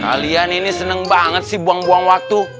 kalian ini seneng banget sih buang buang waktu